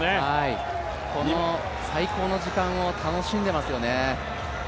この最高の時間を楽しんでいますよね。